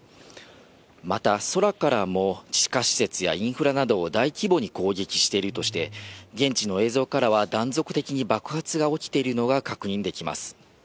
また、空からも地下施設やインフラなどを大規模に攻撃しているとして、現地の映像からは断続的に爆発が起きているのが確認できます。